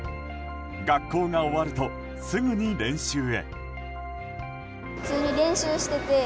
学校が終わるとすぐに練習へ。